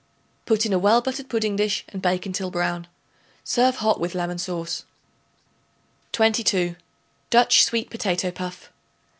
Put in a well buttered pudding dish and bake until brown. Serve hot with lemon sauce. 22. Dutch Sweet Potato Puff.